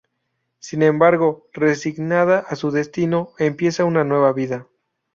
Sin embargo, resignada a su destino empieza una nueva vida.